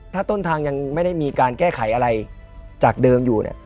ถ้าต้นทางยังไม่ได้มีการแก้ไขอะไรจากเดิมอยู่เนี่ย